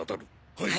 はい。